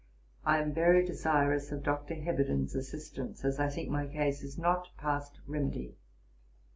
I am very desirous of Dr. Heberden's assistance, as I think my case is not past remedy.